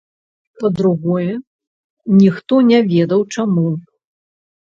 Па-другое, ніхто не ведаў чаму.